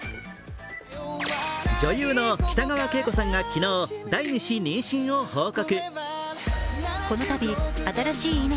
女優の北川景子さんが昨日、第２子妊娠を報告。